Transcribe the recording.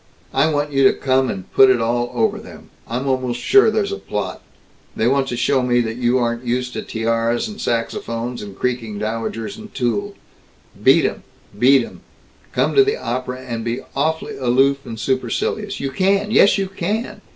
I want you to come and put it all over them. I'm almost sure there's a plot. They want to show me that you aren't used to tiaras and saxophones and creaking dowagers and tulle. Beat 'em! Beat 'em! Come to the opera and be awf'ly aloof and supercilious. You can! Yes, you can!